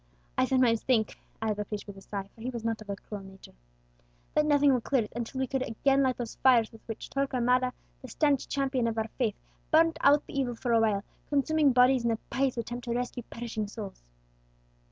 I sometimes think," added the priest with a sigh, for he was not of a cruel nature, "that nothing will clear it unless we could light again those fires with which Torquemada, the stanch champion of our faith, burnt out the evil for awhile, consuming bodies in the pious attempt to rescue perishing souls."